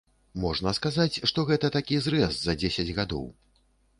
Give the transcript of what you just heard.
Можна сказаць, што гэта такі зрэз за дзесяць гадоў.